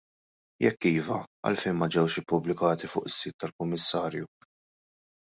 Jekk iva, għalfejn ma ġewx ippubblikati fuq is-sit tal-Kummissarju?